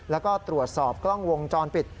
แล้วก็ตรวจสอบกล้องวงจรปิด